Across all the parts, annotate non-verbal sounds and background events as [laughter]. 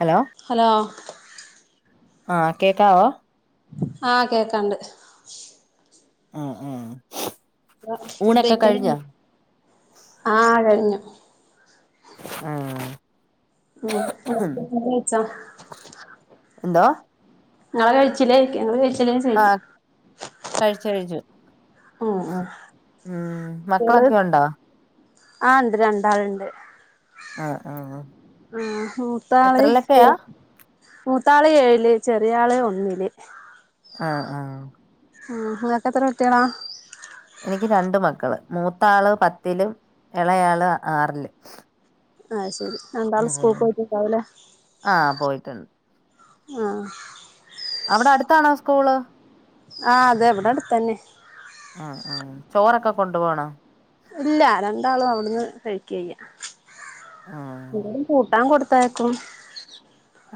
Hello ആ കേക്കാവോ ആ കേക്കാണ്ട് ആഹ് ആഹ് ഊണൊക്കെ കഴിഞ്ഞോ ഫുഡയ്ക്കലയ്ഞ്ഞൊ ആ കഴിഞ്ഞു ഉം ആഹ് കഴിച്ചോ എന്തോ ങ്ങെളെ കഴിച്ചില്ലേയ്ക്ക ങ്ങള് കഴിച്ച ആഹ് കഴിച്ചു കഴിച്ചു ഉം ഉം ഉം മക്കളൊക്കെണ്ടോ ആ ണ്ട് രണ്ടാളുണ്ട് ആഹ് ആഹ് ആ മൂത്താള് എത്രയിലൊക്കെയാ എൽ മൂത്താള് ഏഴില് ചെറിയാള് ഒന്നില് ആഹ് ആഹ് മ്മ് ങ്ങക്കത്ര കുട്ട്യേളാ എനിക്ക് രണ്ട് മക്കള് മൂത്താള് പത്തിലും ഇളയാള് ആറിലും ആ ശെരി രണ്ടാളും സ്കൂൾക് പോയിട്ടിണ്ടാവലേ ആഹ് പോയിട്ടുണ്ട് ആഹ് അവിടെ അടുത്താണോ സ്കൂള് ആ അതെ വിടെ അടുത്തന്നെ ആഹ് ആഹ് ചോറൊക്കെ കൊണ്ടു പോണോ ഇല്ല രണ്ടാളും അവിടുന്ന് കഴിക്കിയ്യ ന്തേലും കൂട്ടാൻ കൊടു ത്ത് അയക്കും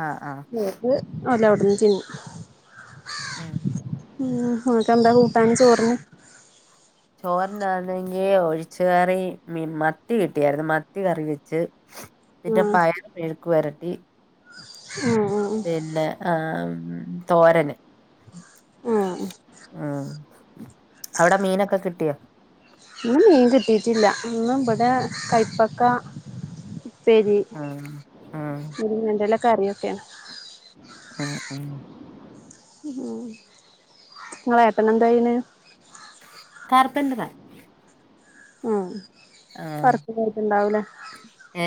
ആഹ് ആഹ് ത് അല്ല അവിടെന്ന് തിന്നും ആഹ് മ് ഓന്ക്കെന്താ കൂട്ടാന് ചോർന് ചോറിനാണെങ്കി ഒഴിച്ച കറി മീ മത്തി കിട്ടിയായിരുന്നു മത്തി കറി വെച്ച് ന്ന്ട്ട ഉം പയർ മേഴുക്ക് വരട്ടി ആഹ് ആഹ് പിന്നെ ആം തോരൻ ഉം ആഹ് അവിടെ മീനൊക്കെ കിട്ടിയോ ന്ന് മീൻ കിട്ടീട്ടില്ല ന്ന് ബടെ കൈപ്പക്ക ഉപ്പേരി ഉം ഉം മുരിങ്ങന്റെല കറിയൊക്കെണ് ഉം ഉം ഉം ങ്ങള ഏട്ടനെന്തായിന് കാർപ്പെന്റെറാ ഉം ആ വർക്ക്നോയിട്ടുണ്ടാവൂലേ ഏ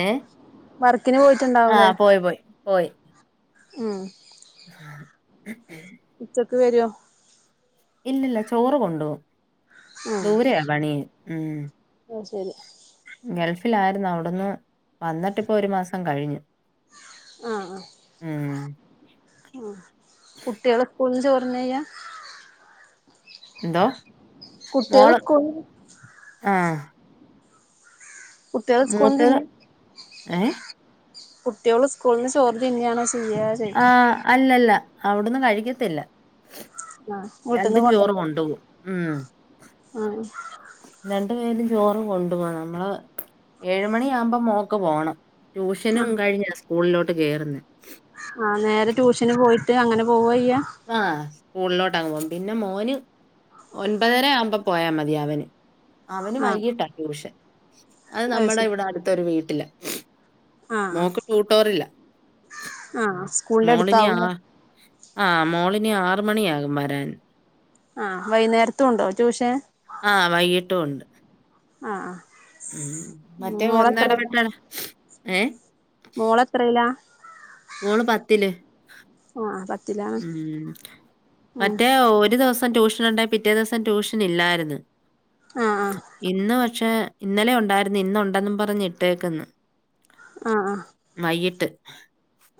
വർക്കിന് ആ പോയിട്ടുണ്ടാവൂലേ പോയി പോയി പോയി ഉം [unintelligible] ഉച്ചക്ക് വരോ ഇല്ലല്ല ചോറ് കൊണ്ടോവും ഉം ദൂരെയാ പണി ഉം അത് ശരി ഗൾഫിലായിരുന്നു അവിടന്ന് വന്നിട്ട്പ്പൊരു മാസം കഴിഞ്ഞു ആഹ് ഉം ആഹ് ആഹ് കുട്ട്യോള് സ്കൂള്ന്ന് ചോർന്നയ്യാ എന്തോ കുട്ടികള് മോള് സ്കൂളിന്ന് ആഹ് കുട്ടികള് സ്കൂളിന്ന് മൂത്തത്ത് തിന്നാ ഏഹ് കുട്ട്യോള് സ്കൂൾന്ന് ചോർ തിന്നാണോ ചെയ്യാ ചോദിക്കാ ആഹ് അല്ലല്ല അവ്ട്ന്ന് കഴിക്കത്തില്ല ആഹ് വീട്ടിന്ന് രണ്ടും ചോറ് കൊണ്ടുവരോ കൊണ്ടു പോകും ഉം [unintelligible] രണ്ടു പേരും ചോറ് കൊണ്ടു പോണം നമ്മള് ഏഴുമണിയാകുമ്പോൾ മോൾക്ക് പോണം ട്യൂഷനും കഴിഞ്ഞ സ്കൂളിലോട്ട് കേറുന്നേ ആഹ് നേരെ ട്യൂഷന് പോയിട്ട് അങ്ങനെ പോവ ചെയ്യ ആഹ് സ്കൂളിലോട്ട് അങ്ങ് പോകും പിന്നെ മോന് ഒൻപതര ആവുമ്പോ പോയാൽ മതിയാവന് അവന് ആ വൈകിട്ടാ ട്യൂഷൻ അത് നമ്മുടെ ഇവിടെ അടുത്തൊരു വീട്ടില ആ മോൾ ട്യൂട്ടോറിയല്ല ആ സ്കൂളിന്റെ മോളിനി അടുത്താവൂലേ ആഹ് ആഹ് മോളിനി ആറു മണിയാകും വരാൻ ആഹ് വൈകുനേരത്തുണ്ടോ ട്യൂഷൻ ആഹ് വൈകിട്ടു ഉണ്ട് ആഹ് ആഹ് ഉം മറ്റേ ഒന്നിടാവിട്ടിട ഏഹ് മോൾ എത്രയില മോള് പത്തില് ആഹ് പത്തില്ല ഉം മറ്റേ ഒരു ദിവസം ആ ആ [unintelligible] ഇന്നലെ ഉണ്ടായിരുന്ന് ഇന്നുണ്ടെന്ന് പറഞ്ഞ് ഇട്ടേക്കുന്നു ആ ആ വൈകിട്ട്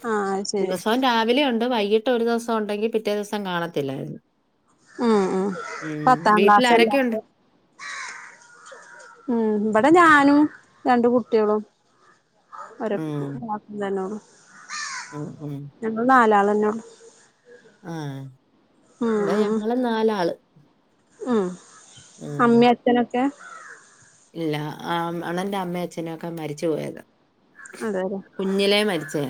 ആ അത് ശരി ദിവസം രാവിലെ ഉണ്ട് വൈകിട്ട് ഒരു ദിവസം ഉണ്ടെങ്കിൽ പിറ്റേ ദിവസം കാണത്തില്ലായിരുന്നു ഉം ഉം ഉം പത്താം ക്ലാസ്സല്ലേ വീട്ടിലാരൊക്കെയുണ്ട് അപ്പൊ ഉം ഇവിടെ ഞാനും രണ്ട് കുട്ടികളും ഒരു ഉം. [unintelligible] ഉം ഉം ഞങ്ങൾ നാലാൾ അന്നെയാണ് ആഹ് ഇവിടെ ഉം ഉം ഞങ്ങള് നാലാള് ഉം ഉം. അമ്മയും അച്ചനൊക്കെ ഇല്ല അണ്ണൻ്റെ അമ്മേ അച്ഛനൊക്കെ മരിച്ചു പോയതാ അതെല്ലേ കുഞ്ഞിലേ മരിച്ചയ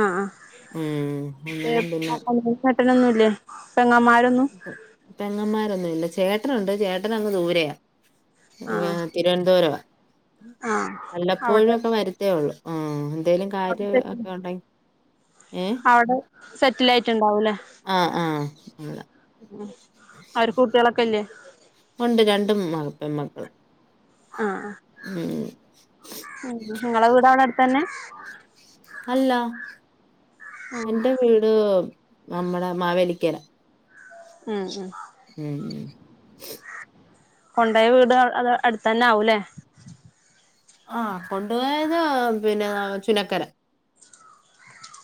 ആ ആ ഉം അങ്ങനെം പിന്നെ ചേട്ടനൊന്നുമില്ലേ പെങ്ങന്മാരൊന്നും ഉം പെങ്ങന്മാരോന്നു ഇല്ല ചേട്ടനുണ്ട് ചേട്ടൻ അങ്ങ് ദൂരെയ ആഹ് തിരുവന്തൊരവ്വ ആഹ് വല്ലപ്പോഴും അവിടെ ഒക്കെ വരുത്തേ ഉള്ളൂ ആ എന്തേക്കെയുണ്ട് അവിടെ കാര്യം സെറ്റിൽ ഒക്കെ ഉണ്ടെങ്കിൽ ഏ അവിടെ സെറ്റിലായിട്ടുണ്ടാവുലേ ആ ആ ഉള്ള. അ അവർക്ക് കുട്ടികളൊക്കെയില്ലെ? ഉണ്ട് രണ്ടും മ പെൺമക്കള് ആഹ് ഉം ഉം നിങ്ങളെ വീട് അവിടെ അടുത്ത് തന്നെ അല്ല എന്റെ വീട് നമ്മടെ മാവേലിക്കര ഉം ഉം ഉം ഉം കൊണ്ടോയ വീട് അത് അടുത്തന്നെ ആവൂലേ ആ കൊണ്ടുപോയത് പിന്നെ ചുനക്കര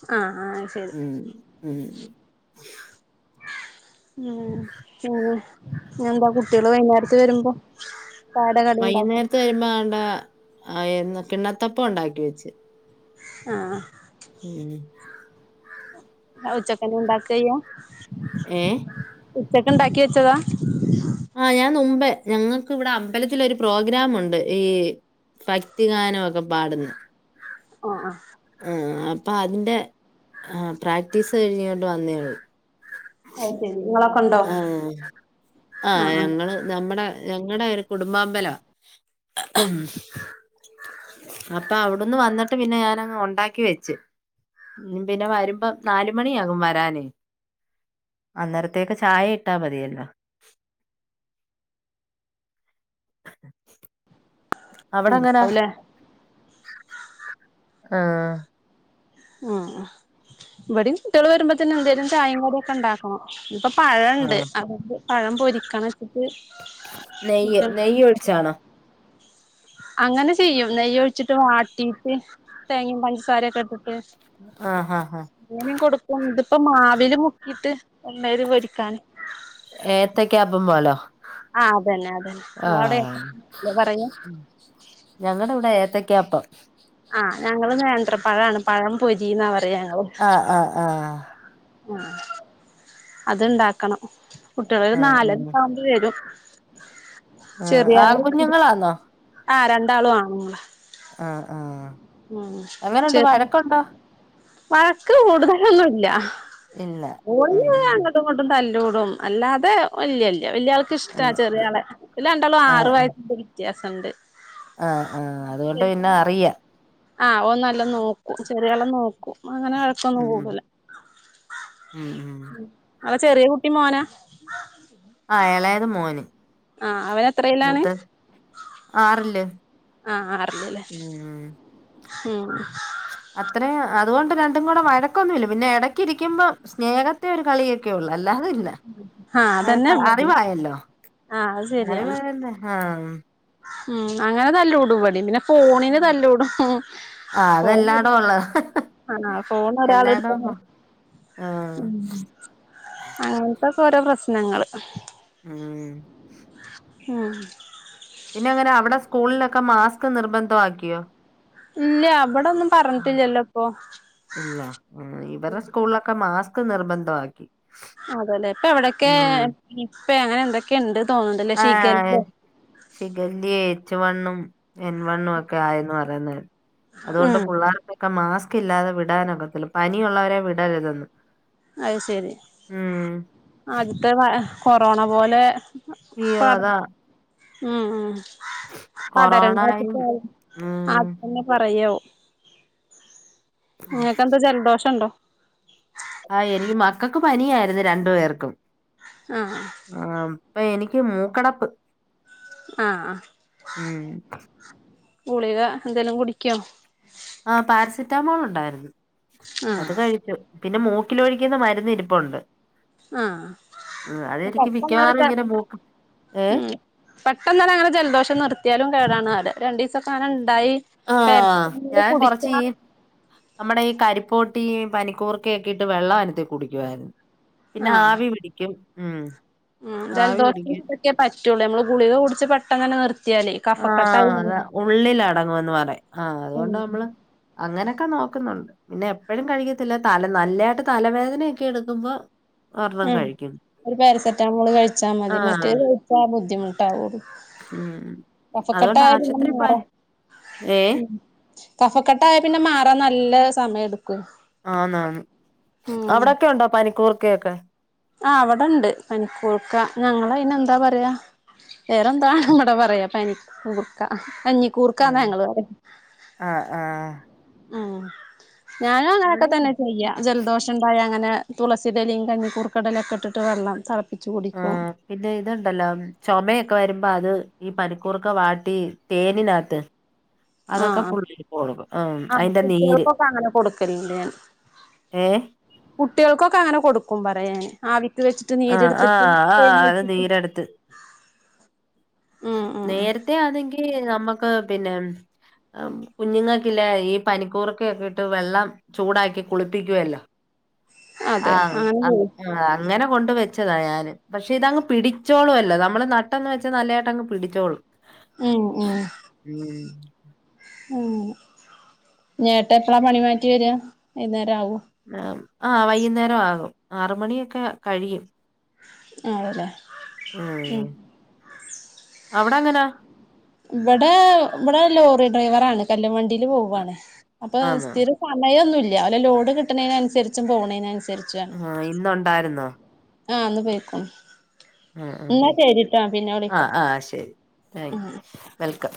ആ ആ ഉം ഉം ഉം ഉം ഇനി എന്താ കുട്ടികള് വൈകുന്നേരത്ത് വരുമ്പോ ചായയുടെ കടി ഉണ്ടാക്കും വൈകുന്നേരത്ത് വരുമ്പോ ആണ്ട കിണ്ണത്തപ്പ ഉണ്ടാക്കി വെച്ച് ആഹ് ഉം ഉച്ചക്കനെ ഉണ്ടാക്കുകയ്യോ ഏഹ് ഉച്ചക്ക് ഉണ്ടാക്കി വെച്ചതാ ആഹ് ഞാൻ മുമ്പേ ഞങ്ങക്ക് ഇവിടെ അമ്പലത്തിൽ ഒരു പ്രോഗ്രാമുണ്ട് ഈ ഭക്തിഗാനംക്കെ പാടുന്നു ഓ ആഹ് ആഹ് അപ്പൊ അതിന്റെ ആ പ്രാക്ടീസ് കഴിഞ്ഞോണ്ട് വന്നേള്ളൂ അഹ് ശരി ഉണ്ടോ ആണ് ആഹ് ഞങ്ങള് നമ്മുടെ ഞങ്ങളുടെ ഒരു കുടുംബാമ്പലാ അപ്പൊ അവിടുന്ന് വന്നിട്ട് പിന്നെ ഞാനങ് ഉണ്ടാക്കി വെച്ചു ഇനി പിന്നെ വരുമ്പം നാല് മണിയാകും വരാനെ അന്നരത്തെ ത്തേക്ക് ചായ ഇട്ടാ മതിയല്ലോ അവിടെ അങ്ങനാ ഉണ്ടാവൂലേ ആഹ് ആഹ് ഇവിടെം കുട്ടികള് വരുമ്പോത്തേന് എന്തേലും ചായേം കടിക്കെ ഉണ്ടാക്ക ക്കണം ഇപ്പൊ ആ പഴുണ്ട് അതണ്ട് പഴം പൊരിക്കണ വെച്ചിട്ട് ഇപ്പ ഈ ഒഴിച്ചാണോ അങ്ങനെ ചെയ്യും നെയ്യ് ഒഴിച്ചിട്ട് വട്ടീട്ട് തേങ്ങയും പഞ്ചസാരൊക്കെ ഇട്ടിട്ട് ആഹ് ആഹ് ആഹ് എങ്ങനും കൊടുക്കും ഇതിപ്പോ മാവിൽ മുക്കിട്ട് എണ്ണേല് പൊരിക്കാൻ ഏത്തൊക്ക ആപ്പം പോലോ ആഹ് അതന്നെ അതന്നെ അവിടെ പറഞ്ഞു ഉം ഞങ്ങടെ ഇവിടെ ഏത്തക്കാപ്പം ആഹ് ഞങ്ങള് നേന്ത്ര പഴമാണ് പഴം പൊരിന്നാ പറയ ഞങ്ങള് ആ ആഹ് ആഹ് അത്ണ്ടാക്കണം കുട്ടികൾരു ആ ആ നാലര താവുമ്പോ വരും ആ ചെറിയ ആള് ആൺകുഞ്ഞുങ്ങളാന്നോ ആഹ് രണ്ടാളു ആണ്ങ്ങളാ ആഹ് ആഹ് എങ്ങനെണ്ട് ശരി വഴക്കുണ്ടോ വഴക്ക് കൂടുതലൊന്നുല്ല ഇല്ല ഉം ഓല്ങ്ങനെ അങ്ങട്ടും ഇങ്ങട്ടും തല്ലൂടും അല്ലാതെ വല്ല്യ ല വല്യാൾക്ക് ഇഷ്ട അതെ ചെറിയ ആളെ ഓല് രണ്ടാളും ആഹ് ആറ് വയസ്സിന്റെ വ്യത്യാസണ്ട് ആഹ് ആഹ് അതുകൊണ്ട് പിന്നെ അറിയ ആഹ് ഓൻ നല്ലൊം നോക്കും ചെറിയോനെ നോ ക്കും അങ്ങനെ വഴക്കൊന്നും ഉം കൂടൂല ഉം ഉം അടെ ചെറിയ കുട്ടി മോനാ ആഹ് എളയത് മോന് ആഹ് അവനെത്രയിലാണ് മൂത്തെ ആറില് ആഹ് ആറ്ലല്ലേ ഉം ഉം അത്രേം അതുകൊണ്ട് രണ്ടും കൂടെ വഴക്കൊന്നുല്ല പിന്നെ എടക്ക് ഇരിക്കുമ്പം സ്നേഹത്തി ഒരു കളിയൊക്കെ ഒള്ളൂ അല്ലാതെ ഇല്ല ആഹ് അതന്നെ വഴക്ക് ഇവടിം അറിവായല്ലോ ആഹ് അത് വെടിം ശരിയാണ് അങ്ങനെന്നെ ആഹ് ഉം അങ്ങനെ തല്ലൂടും വെടിം പിന്നെ ഫോണിന് തല്ലൂടും ആഹ് അതെല്ലാടോം [unintelligible] ഉള്ളതാ ആണൊ ഫോണ് ഒരാൾ എല്ലാടോം ഇട്ത്ത ഇപ്പൊ ആഹ് അങ്ങൻത്തെക്കെ ഓരോ പ്രശ്നങ്ങള് ഉം ഉം പിന്നെ എങ്ങനെ അവിടെ സ്കൂളിലൊക്കെ മാസ്ക് നിർബന്ധമാക്കിയോ ഇല്ല വടൊന്നും പറഞ്ഞിട്ടില്ലല്ലോ ഇപ്പൊ ഇല്ല ഉം ഇവരുടെ സ്കൂളിലൊക്കെ മാസ്ക് നിർബന്ധമാക്കി അതെല്ലെ ഇപ്പൊ എവിടെക്കെ നിപ്പെ അങ്ങനെ എന്തൊക്കെ ഇണ്ട് തോന്ന്ണ്ട്ല്ലേ ശിഖല്ലേ ശിഖല്ലേ എച്ച് വണ്ണും എൻ വണ്ണും ഒക്കെ ആയെന്ന് പറയുന്നെ അതുകൊണ്ട് ഉം പുള്ളേർക്കൊക്കെ മാസ്ക് ഇല്ലാതെ വിടാനൊക്കത്തില്ല പനിയുള്ളവരെ വിടരുതെന്ന് അയ്ശരി ഉം ആദ്യത്തെ കൊറോണ പോലെ അയ്യോ പട് അതാ ഉം ഉം കൊറോണയും പടരണ്ടാച്ച്ട്ടാവും ഉം ആദ്യം തന്നെ പറയാവും ഇങ്ങക്ക് എന്താ ജലദോഷം ഇണ്ടോ ആഹ് എനിക്ക് മക്കൾക്ക് പനിയായിരുന്നു രണ്ടു പേർക്കും ആഹ് ആ ഇപ്പ എനിക്ക് മൂക്കടപ്പ് ആഹ് ഉം ഗുളിക എന്തേലും കുടിക്കോ ആഹ് പാരസെറ്റാമോൾ ഉണ്ടായിരുന്നു അത് ആഹ് കഴിച്ചു പിന്നെ മൂക്കിലൊഴിക്കുന്ന മരുന്ന് ഇരിപ്പുണ്ട് ആഹ് ഉം അത് എനിക്ക് മിക്കവാറും പെട്ടെന്നൊരു ഇങ്ങനെ മൂക്ക് ഏഹ് പെട്ടെന്നെന്നെ അങ്ങനെ ജലദോഷം നിർത്തിയാലും കേടാണ് അറിയ രണ്ടീസൊക്ക അങ്ങനെ ഇണ്ടായി ആഹ് പാരസെറ്റമോള് ഞാൻ കൊറച്ച് കുടിച്ചാ ഈ നമ്മടെ ഈ കരിപ്പോട്ടി പനിക്കൂർക്കെ ഒക്കിട്ട് വെള്ളം അനത്തി കുടിക്കുവായിരുന്നു പിന്നെ ആഹ് ആവി പിടിക്കും ഉം ഉം ആവി ജലദോഷത്തിന് പിടിക്കും. ഇതൊക്കെ പറ്റൊള്ളൂ നമ്മള് ഗുളിക കുടിച്ച് പെട്ടന്നെന്നെ നിർ ആഹ് അതാ ഉള്ളിലടങ്ങുവന്ന് പറയും ആ് അതുകൊണ്ട് ഉം നമ്മള് അങ്ങനൊക്കെ നോക്കുന്നുണ്ട് പിന്നെ എപ്പഴും കഴിക്കത്തില്ല തല നല്ലായിട്ട് തലവേദനൊക്കെ എടുക്കുമ്പോ ഒരെണ്ണം ഉം കഴിക്കും. ഒരു പാരസെറ്റാമോള് കഴിച്ചാ മതി ആഹ്. മറ്റേത് കഴിച്ച ബുദ്ധിമുട്ടാവൊള്ളു ഉം അതുകൊണ്ട് കഫക്കെട്ടായാലും ആശുപത്രി [unintelligible] പോവാൻ മാറാൻ ഏഹ്? ഉം കഫക്കെട്ടായ പിന്നെ മാറാൻ നല്ല സമയം എട്ക്കും ആന്നാന്ന് അവിടൊക്കെ ഉണ്ടോ പനിക്കൂർക്കയൊക്കെ ആ ബവിടെണ്ട് പനിക്കൂർക്ക ഞങ്ങള് അയ്ന് എന്താ പറയാ വേറെന്താണ് ഇവടെ പറയാ പനി കൂർക്ക കഞ്ഞി കൂർക്കാന്നാ ആഹ്. ഞങ്ങള് പറയാ ആഹ് ആഹ്. ഉം ഞാനും അങ്ങനെയൊക്കെ ഇവിടെയും തന്നെ ചെയ്യാ ജലദോഷം ഉണ്ടായ അങ്ങനെ തുളസി ഇലിയും കഞ്ഞിക്കൂർക്കടെ ഇലഒക്കെ ഇട്ടി് വെള്ളം തിളപ്പച്ച് ആ കുടിക്കും പിന്നെ ഇതുണ്ടല്ലോ ചുമയൊക്കെ വരുമ്പോ അത് ഈ പനിക്കൂർക്ക ഒക്കെ വാട്ടി തേനിനകത്ത് അതൊക്കെ ആഹ് പുള്ളിക്ക് കൊടുക്കും ആ ആഹ് അതിന്റെ നീര് കുട്ടികൾക്കൊക്കെ അങ്ങനെ കൊടുക്കല് ഇണ്ട് ഞാൻ ഏഹ് കുട്ടികൾക്കൊക്കെ അങ്ങനെ കൊടുക്കും പറയാ ഞാന് ആവിക്ക് വെച്ചിട്ട് ആ ആ നീരെടുത്തിട്ട് ആ തേന് അത് ഒഴിച്ചിട്ട് നീരെടുത്ത് ഉം ഉം ഉം നേരത്തെ ആണെങ്കി നമ്മുക്ക് പിന്നെ കുഞ്ഞുങ്ങൾക്കില്ലേ ഈ പനിക്കൂറക്കൊക്കെ ഇട്ട് വെള്ളം ചൂടാക്കി കുളിപ്പിക്കുവല്ലോ അതെ ആഹ് അങ്ങനെ ചെയ്യും [unintelligible] ആ അങ്ങനെ കൊണ്ട് വെച്ചതാണ് ഞാന് പക്ഷെ ഇതങ്ങ് പിടിച്ചോളും അല്ലോ നമ്മള് നട്ടന്ന് വെച്ചാ നല്ലതായിട്ട് അങ്ങ് പിടിച്ചോളും ഉം ഉം ഉം ഉം ഇഞ് ഏട്ടൻ എപ്പഴാ പണി മാറ്റി വരി വൈകുന്നേരം ആവേ ആ വൈകുന്നേരം ആകും ആറുമണിയൊക്കെ കഴിയും ആണല്ലേ ഉം അവിടെ എങ്ങനാ ഇവിടെ ഇവിടെ ലോറി ഡ്രൈവറാണ് കല്ല് വണ്ടീല് പോവാണ് അപ്പൊ ആന്നോ സ്ഥിരം സമയയൊന്നൂല്ല ഓലെ ലോഡ് കിട്ടണേനനുസരിച്ചും പോവണേനനുസരിച്ചുമാണ്. ആഹ്. ഇന്നുണ്ടായിരുന്നോ? ആഹ് ഇന്ന് പൊയ്ക്കണു. ആഹ് ആഹ്. വിളിക്കാം ആഹ് ആഹ് ശരി. Thank welcome.